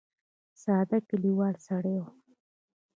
ساده کلیوالي سړی و.